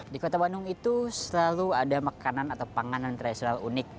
di kota bandung itu selalu ada makanan atau panganan tradisional unik